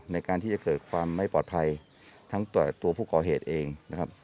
ในการที่จะเกิดความไม่ปลอดภัยทั้งตัวผู้ก่อเหตุเองนะครับ